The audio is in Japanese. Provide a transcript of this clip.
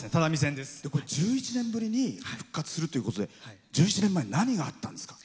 これ１１年ぶりに復活するということで１１年前に何があったんですか？